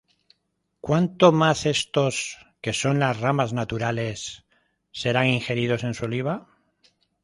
¿cuánto más éstos, que son las ramas naturales, serán ingeridos en su oliva?